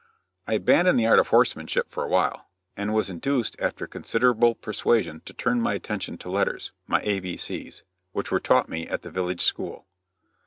I abandoned the art of horsemanship for a while, and was induced after considerable persuasion to turn my attention to letters my A, B, C's which were taught me at the village school.